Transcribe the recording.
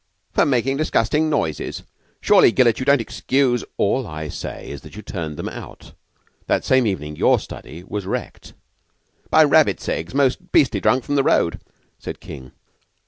"For making disgusting noises. Surely, Gillett, you don't excuse " "All I say is that you turned them out. That same evening your study was wrecked." "By Rabbits Eggs most beastly drunk from the road," said King.